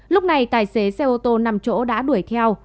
lúc này tài xế xe ô tô năm chỗ đã đuổi theo